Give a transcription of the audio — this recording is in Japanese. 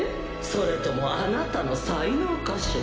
それともあなたの才能かしら？